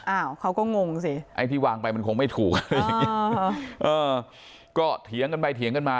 อ้าวเขาก็งงสิไอ้ที่วางไปมันคงไม่ถูกเออก็เถียงกันไปเถียงกันมา